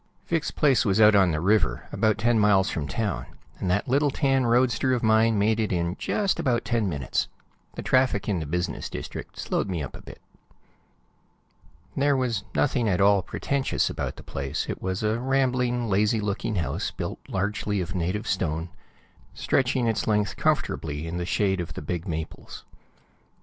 Vic's place was out on the river, about ten miles from town, and that little tan roadster of mine made it in just about ten minutes. The traffic in the business district slowed me up a bit. There was nothing at all pretentious about the place; it was a rambling, lazy looking house built largely of native stone, stretching its length comfortably in the shade of the big maples.